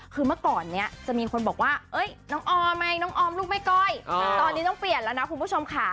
คือเมื่อก่อนนี้จะมีคนบอกว่าน้องออมไงน้องออมลูกแม่ก้อยตอนนี้ต้องเปลี่ยนแล้วนะคุณผู้ชมค่ะ